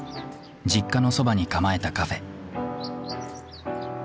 実家のそばに構えたカフェ。